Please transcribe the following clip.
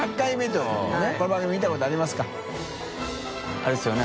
あれですよね？